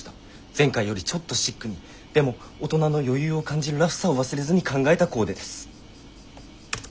前回よりちょっとシックにでも大人の余裕を感じるラフさを忘れずに考えたコーデです。